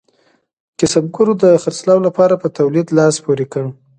کسبګرو د خرڅلاو لپاره په تولید لاس پورې کړ.